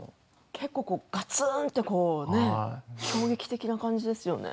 結構がつんと衝撃的な感じですよね。